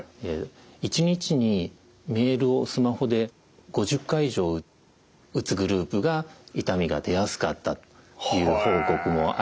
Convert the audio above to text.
１日にメールをスマホで５０回以上打つグループが痛みが出やすかったという報告もあります。